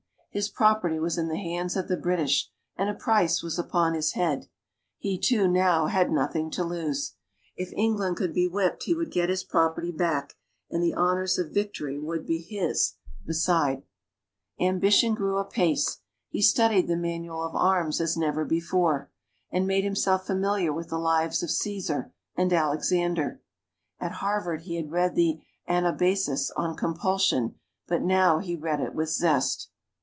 His property was in the hands of the British, and a price was upon his head. He, too, now had nothing to lose. If England could be whipped he would get his property back, and the honors of victory would be his, beside. Ambition grew apace; he studied the Manual of Arms as never before, and made himself familiar with the lives of Cæsar and Alexander. At Harvard, he had read the Anabasis on compulsion, but now he read it with zest.